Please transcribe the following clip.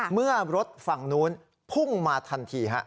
เมื่อรถฝั่งนู้นพุ่งมาทันที